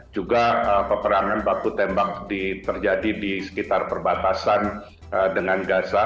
juga peperangan baku tembak terjadi di sekitar perbatasan dengan gaza